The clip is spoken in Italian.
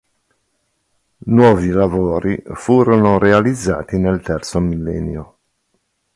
Nuovi lavori furono realizzati nel terzo millennio.